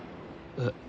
えっ？